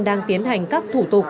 đang tiến hành các thủ tục